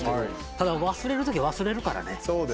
ただ忘れるときは忘れるからね。